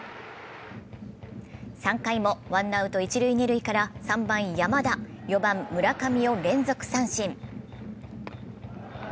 ３回もワンアウト一塁・二塁から３番・山田、４番・村上を連続三振。